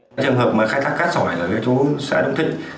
trong trường hợp mà khai thác cát rõ ràng là cái chỗ xã đông thịnh